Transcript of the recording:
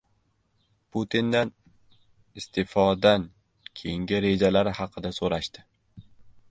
Putindan iste’fodan keyingi rejalari haqida so‘rashdi